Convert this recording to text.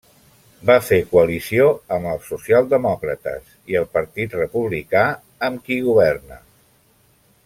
Va fer coalició amb els socialdemòcrates i el Partit Republicà, amb qui governa.